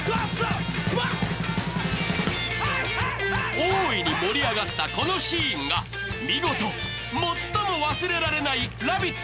大いに盛り上がったこのシーンが見事、「最も忘れられないラヴィット！